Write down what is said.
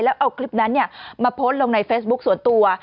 แล้วเอาคลิปนั้นมาโพสต์ลงในเฟซบุ๊คส่วนตัว